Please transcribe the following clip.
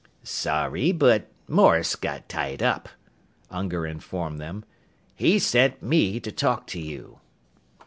"Sorry, but Morris got tied up," Unger informed them. "He sent me to talk to you."